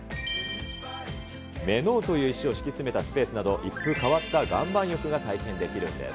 メノウという石を敷き詰めたスペースなど、一風変わった岩盤浴が体験できるんです。